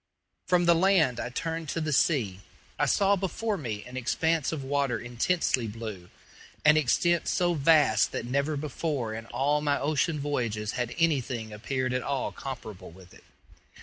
From the land I turned to the sea. I saw before me an expanse of water intensely blue an extent so vast that never before in all my ocean voyages had anything appeared at all comparable with it.